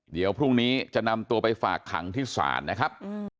เดี๋ยวพรุ่งนี้จะนำตัวไปฝากขังที่ศาลนะครับ